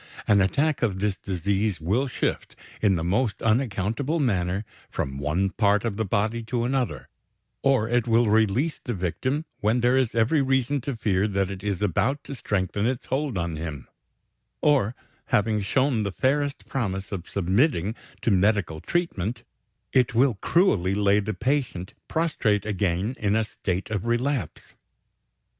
An attack of this disease will shift, in the most unaccountable manner, from one part of the body to another; or, it will release the victim when there is every reason to fear that it is about to strengthen its hold on him; or, having shown the fairest promise of submitting to medical treatment, it will cruelly lay the patient prostrate again in a state of relapse.